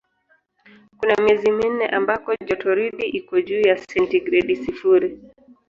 Kuna miezi minne ambako jotoridi iko juu ya sentigredi sifuri.